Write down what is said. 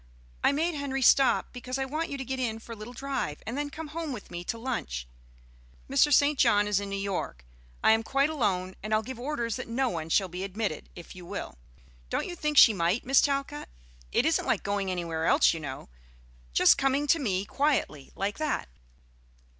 I made Henry stop, because I want you to get in for a little drive and then come home with me to lunch. Mr. St. John is in New York. I am quite alone, and I'll give orders that no one shall be admitted, if you will. Don't you think she might, Miss Talcott? It isn't like going anywhere else, you know, just coming to me quietly like that."